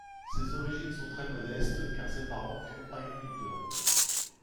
Ses origines sont très modestes car ses parents furent agriculteurs.